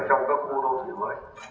trong các khu đô thị mới